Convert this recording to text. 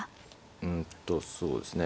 うんとそうですね